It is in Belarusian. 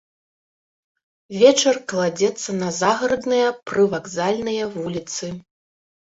Вечар кладзецца на загарадныя, прывакзальныя вуліцы.